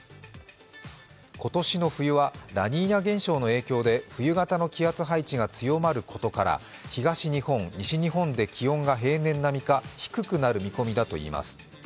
今年の冬はラニーニャ現象の影響で冬型の気圧配置が強まることから東日本、西日本で気温が平年並みか低くなる見込みだといいます。